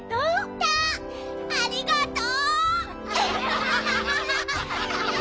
ありがとう！